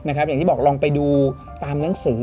อย่างที่บอกลองไปดูตามหนังสือ